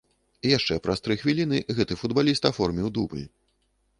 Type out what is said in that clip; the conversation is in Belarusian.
Яшчэ праз тры хвіліны гэты футбаліст аформіў дубль.